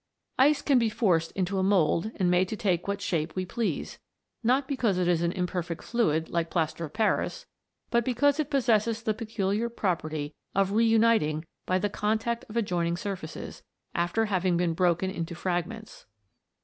Ice can be forced into a mould and made to take what shape we please, not because it is an imperfect fluid like plaster of Paris, but because it possesses the peculiar property of re uniting by the contact of adjoining surfaces, after having been broken into fragments.